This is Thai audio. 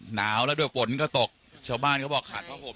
หนาวแล้วด้วยฝนก็ตกชาวบ้านเขาบอกขาดผ้าห่ม